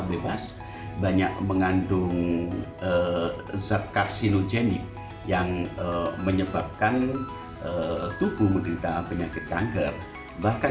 bebas banyak mengandung zat karsinogenik yang menyebabkan tubuh menderita penyakit kanker bahkan